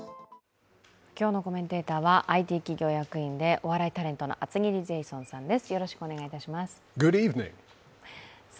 今日のコメンテーターはＩＴ企業役員でお笑いタレントの厚切りジェイソンさんです。